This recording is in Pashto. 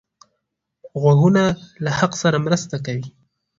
غوږونه له حق سره مرسته کوي